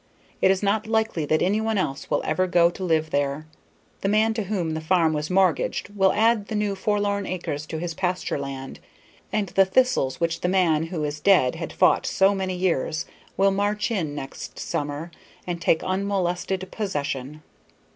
It is not likely that any one else will ever go to live there. The man to whom the farm was mortgaged will add the few forlorn acres to his pasture land, and the thistles which the man who is dead had fought so many years will march in next summer and take unmolested possession.